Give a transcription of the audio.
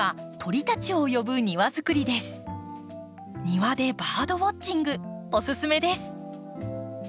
庭でバードウォッチングおすすめです。